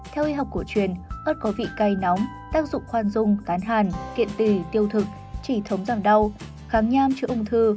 theo y học của truyền ớt có vị cay nóng tác dụng khoan dung tán hàn kiện tỷ tiêu thực chỉ thống giảm đau kháng nham chữa ung thư